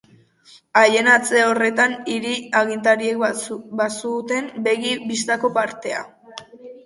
Aienatze horretan hiri-agintariek bazuten begi bistako partea.